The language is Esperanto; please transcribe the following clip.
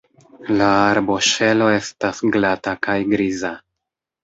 La arboŝelo estas glata kaj griza.